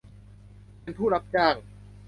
เป็นผู้รับจ้าง